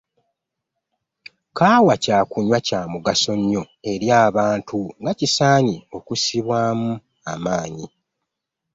Kaawa Kya kunywa kya mugaso nnyo eri abantu nga kisaanye okussibwamu amaanyi.